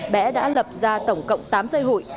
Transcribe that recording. bé đã lập ra tổng cộng tám dây hụi